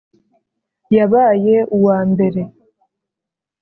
Yabaye uwambere